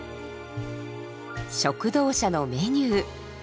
食堂車のメニュー。